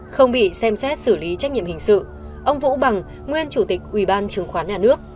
không bị xem xét xử lý trách nhiệm hình sự ông vũ bằng nguyên chủ tịch ủy ban chứng khoán nhà nước